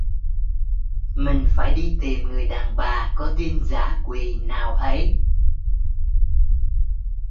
Mình phải đi tìm người đàn bà có tin Dã Quỳ nào ấy